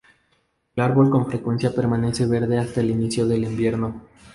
El árbol con frecuencia permanece verde hasta el inicio del invierno.